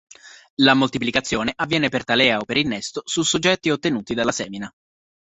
La moltiplicazione avviene per talea o per innesto su soggetti ottenuti dalla semina.